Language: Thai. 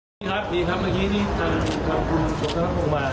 นี่ครับนี่ครับเมื่อกี้นี่คุณสมศัพท์มา